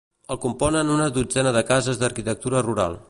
El componen una dotzena de cases d'arquitectura rural.